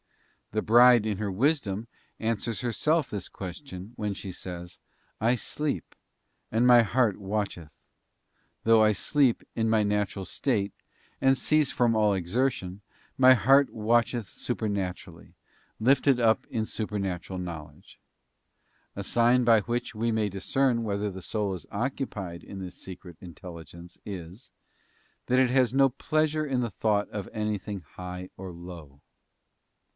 The Bride in her wisdom answers herself this question, when she says, 'I sleep, and my heart watcheth :'t though I sleep in my natural state, and cease from all exertion, my heart watcheth supernaturally, lifted up in supernatural knowledge. <A sign by which we may discern whether the soul is occupied in this secret intelligence is, that it has no pleasure in the thought of anything high or low.